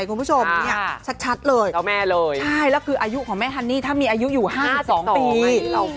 คุณผู้ชมเนี่ยชัดเลยแล้วคืออายุของแม่ฮันนี่ถ้ามีอายุอยู่๕๒ปี